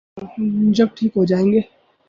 جب ٹھیک ہو جائیں گے۔